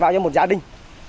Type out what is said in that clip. cho một gia đình